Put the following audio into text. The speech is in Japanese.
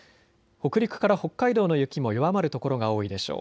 北陸から北海道の雪も弱まる所が多いでしょう。